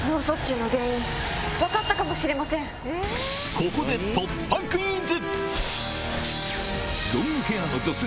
ここで突破クイズ！